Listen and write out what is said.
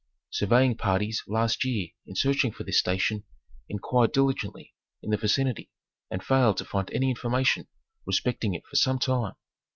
Surveying parties last year in searching for this station inquired diligently in the vicinity and failed to find any information respecting it for some time.